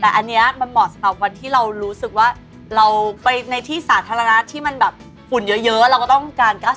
แต่อันนี้มันเหมาะสำหรับวันที่เรารู้สึกว่าเราไปในที่สาธารณะที่มันแบบฝุ่นเยอะเราก็ต้องการกัส